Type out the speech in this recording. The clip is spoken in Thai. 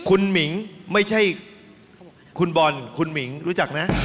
คุณหมิงไม่ใช่คุณบอลคุณหมิงรู้จักนะ